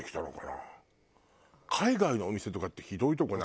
海外のお店とかってひどいとこない？